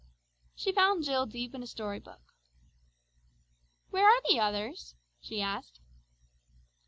She found Jill deep in a storybook. "Where are the others?" she asked.